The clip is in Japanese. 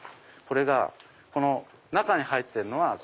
この中に入ってるのが。